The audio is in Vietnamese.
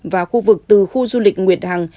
và khu vực từ khu du lịch nguyệt hằng